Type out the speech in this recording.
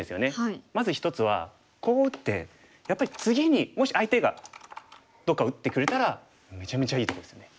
まず一つはこう打ってやっぱり次にもし相手がどっか打ってくれたらめちゃめちゃいいとこですよね。